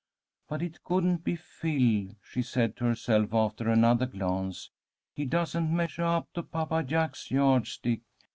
But it couldn't be Phil," she said to herself after another glance. "He doesn't measuah up to Papa Jack's yardstick.